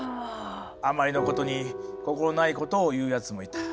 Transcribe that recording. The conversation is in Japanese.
あまりのことに心ないことを言うやつもいた。